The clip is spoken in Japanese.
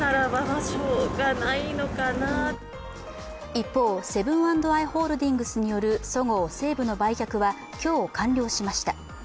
一方、セブン＆アイ・ホールディングスによるそごう・西武の売却は今日完了しました。